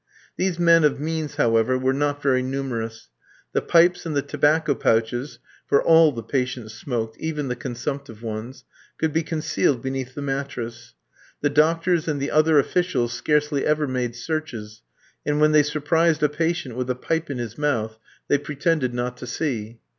These men of means, however, were not very numerous. The pipes and the tobacco pouches for all the patients smoked, even the consumptive ones could be concealed beneath the mattress. The doctors and the other officials scarcely ever made searches, and when they surprised a patient with a pipe in his mouth, they pretended not to see.